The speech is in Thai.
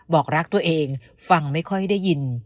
บอกรักตัวเองฟังไม่ค่อยได้ยิน